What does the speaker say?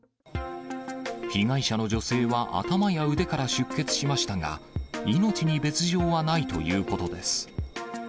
被害者の女性は頭や腕から出血しましたが、命に別状はないということです。